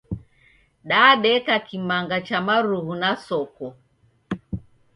Dadeka kimanga cha marughu na soko.